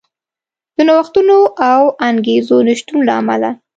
د نوښتونو او انګېزو نشتون له امله و.